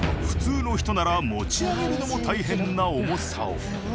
普通の人なら持ち上げるのも大変な重さを。